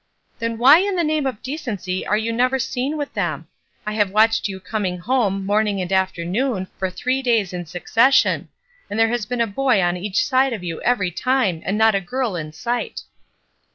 ''Then why in the name of decency are you never seen with them? I have watched you coming home, morning and afternoon, for three days in succession, and there has been a boy on each side of you every time, and not a girl in sight."